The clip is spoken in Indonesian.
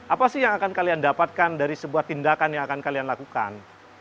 apa sih yang akan kalian dapatkan dari sebuah tindakan yang akan kalian lakukan